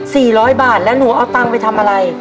สี่ร้อยบาทแล้วหนูเอาเงินไปทำอะไร